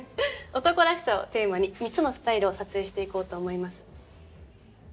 「男らしさ」をテーマに３つのスタイルを撮影していこうと思います。